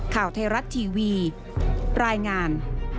ข่าวไทยรัฐทีวีรายงาน